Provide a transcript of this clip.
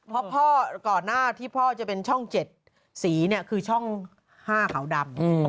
เพราะพ่อก่อนหน้าที่พ่อจะเป็นช่อง๗สีเนี่ยคือช่อง๕ขาวดำ